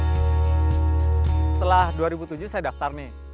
setelah dua ribu tujuh saya daftar nih